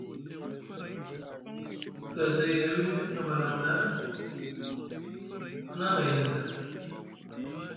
Gaday na wiini ɗif na malam ɗa a na mayni nɵa.